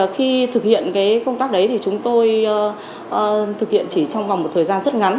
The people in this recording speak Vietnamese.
khi thực hiện công tác đấy thì chúng tôi thực hiện chỉ trong vòng một thời gian rất ngắn